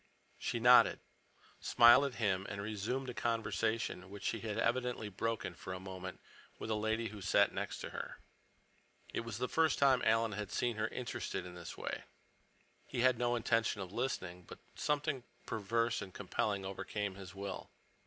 She nodded, smiled at him, and resumed a conversation which she had evidently broken for a moment with a lady who sat next to her. It was the first time Alan had seen her interested in this way. He had no intention of listening, but something perverse and compelling overcame his will.